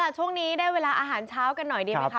ช่วงนี้ได้เวลาอาหารเช้ากันหน่อยดีไหมคะ